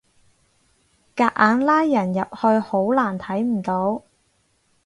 夾硬拉人入去好難睇唔到